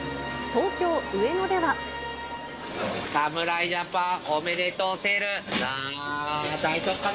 侍ジャパンおめでとうセール。